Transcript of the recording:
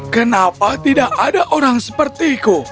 kenapa tidak ada orang sepertiku